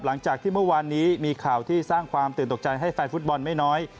หลังจากที่เมื่อวานนี้มีข่าวที่สร้างความตื่นตกใจให้แฟนฟุตบอลไม่น้อย